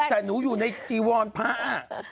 แต่หนูอยู่ในจิวร์ภาค